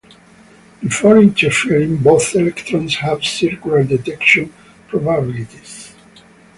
Before interfering, both electrons have circular detection probabilities.